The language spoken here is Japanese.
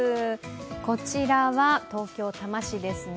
こちらは東京・多摩市ですね。